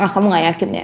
kamu gak yakin ya